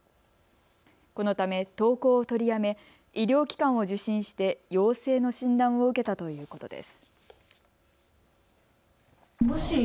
このため登校を取りやめ医療機関を受診して陽性の診断を受けたということです。